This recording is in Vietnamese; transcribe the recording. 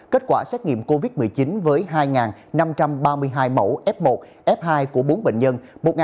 kết quả xét nghiệm covid một mươi chín với hai năm trăm ba mươi hai mẫu f một f hai của bốn bệnh nhân